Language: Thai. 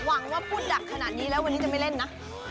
หวังว่าพูดดักขนาดนี้แล้ววันนี้จะไม่เล่นนะ